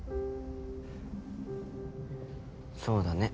そうだね。